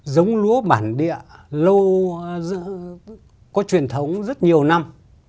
giống lúa bản địa lô có truyền thống rất nhiều năm